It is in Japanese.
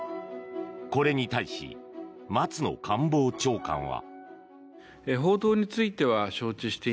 これに対し、松野官房長官は。